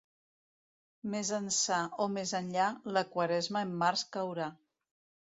Més ençà o més enllà, la Quaresma en març caurà.